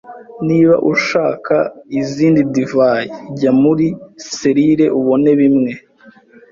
Niba ushaka izindi divayi, jya muri selire ubone bimwe.